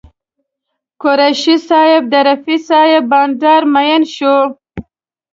قریشي صاحب د رفیع صاحب بانډار مین شو.